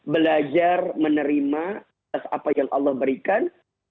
belajar menerima atas apa yang allah berikan